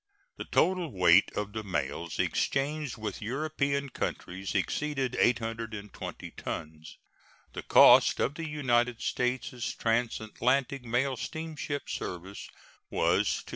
The total weight of the mails exchanged with European countries exceeded 820 tons. The cost of the United States transatlantic mail steamship service was $220,301.